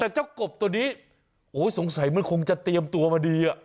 แต่เจ้ากบตัวนี้โอ้ยสงสัยมันคงจะเตรียมตัวมาดี